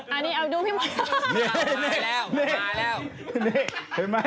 อันนี้เอาดูไหมนี่